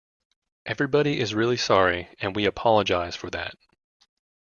Everybody is really sorry and we apologise for that.